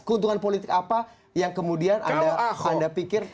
keuntungan politik apa yang kemudian anda pikir bahwa ahok dengan teman ahok